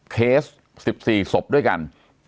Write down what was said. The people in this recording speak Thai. เคส๑๔ศพด้วยกัน